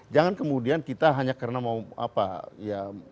jangan kemudian kita hanya karena mau apa ya